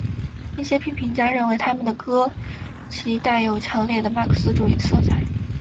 一些批评家认为他们的歌其带有强烈的马克思主义色彩。